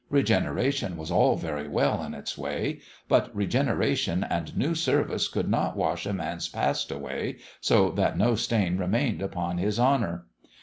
Regeneration was all very well in its way ; but regeneration and new service could not "wash a man's past away so that no stain remained upon his honour.